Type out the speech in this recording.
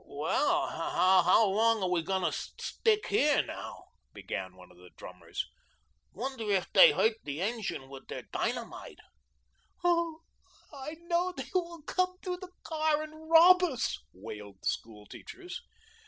"Well, how long are we going to stick here now?" began one of the drummers. "Wonder if they hurt the engine with their dynamite?" "Oh, I know they will come through the car and rob us," wailed the school teachers.